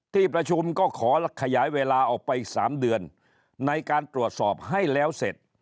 ที่ประชุมก็ขอขยายเวลาออกไป๓เดือนในการตรวจสอบให้แล้วเสร็จ